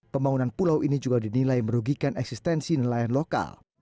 pembangunan pulau ini juga dinilai merugikan eksistensi nelayan lokal